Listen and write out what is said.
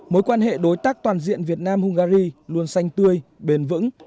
mối quan hệ đối tác toàn diện việt nam hungary luôn xanh tươi bền vững